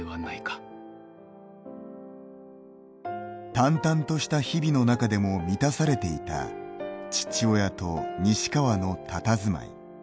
淡々とした日々の中でも満たされていた父親と西川のたたずまい。